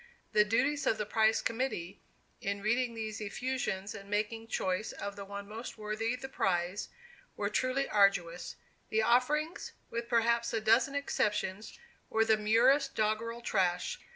The duties of the Prize Committee, in reading these effusions and making choice of the one most worthy the prize, were truly arduous. The "offerings," with perhaps a dozen exceptions, were the merest doggerel trash.